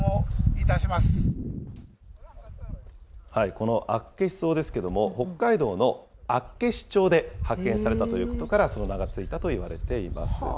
このアッケシソウですけれども、北海道の厚岸町で発見されたということから、その名が付いたといわれています。